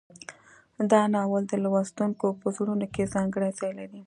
دا ناول د لوستونکو په زړونو کې ځانګړی ځای لري.